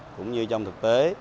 cũng như trong thực tế